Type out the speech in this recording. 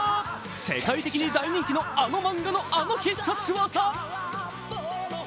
世界的に大人気のあの漫画のあの必殺技。